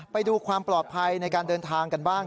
ไปดูความปลอดภัยในการเดินทางกันบ้าง